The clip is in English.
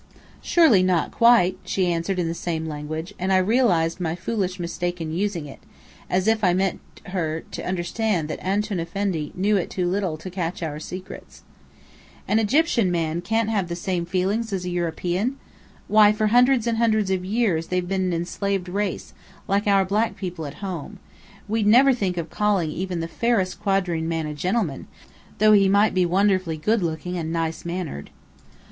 "Surely not quite!" she answered in the same language, and I realized my foolish mistake in using it, as if I meant her to understand that Antoun Effendi knew it too little to catch our secrets. "An Egyptian man can't have the same feelings as a European? Why, for hundreds and hundreds of years they've been an enslaved race, like our black people at home. We'd never think of calling even the fairest quadroon man a gentleman, though he might be wonderfully good looking and nice mannered."